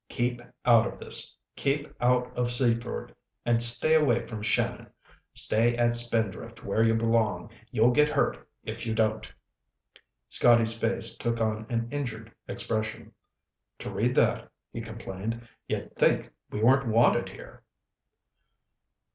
_KEEP OUT OF THIS. KEEP OUT OF SEAFORD AND STAY AWAY FROM SHANNON. STAY AT SPINDRIFT WHERE YOU BELONG. YOU'LL GET HURT IF YOU DON'T._ Scotty's face took on an injured expression. "To read that," he complained, "you'd think we weren't wanted here!"